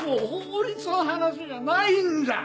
法律の話じゃないんじゃ！